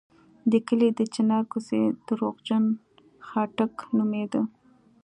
د کلي د چنار کوڅې درواغجن خاټک نومېده.